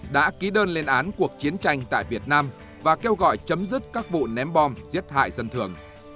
đã ký đơn lên án cuộc chiến tranh tại việt nam và kêu gọi chấm dứt các vụ ném bom giết hại dân thường